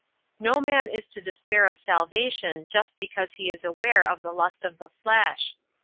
No man is to despair of salvation just because he is aware of the lust of the flesh.